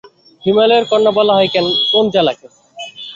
হিমালয়ের কন্যা বলা হয় কোন জেলাকে?